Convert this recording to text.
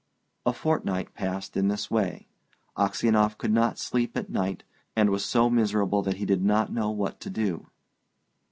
A fortnight passed in this way. Aksionov could not sleep at night, and was so miserable that he did not know what to do.